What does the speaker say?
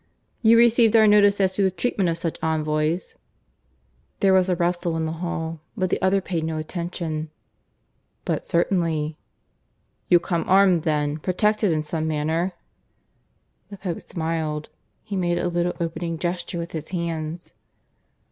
"You received our notice as to the treatment of such envoys?" (There was a rustle in the hall, but the other paid no attention.) "But certainly." "You come armed then protected in some manner?" The Pope smiled. He made a little opening gesture with his hands.